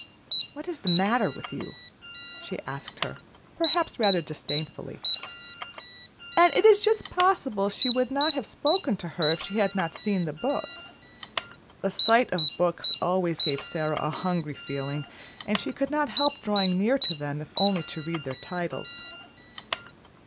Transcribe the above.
"What is the matter with you?" she asked her, perhaps rather disdainfully. And it is just possible she would not have spoken to her, if she had not seen the books. The sight of books always gave Sara a hungry feeling, and she could not help drawing near to them if only to read their titles.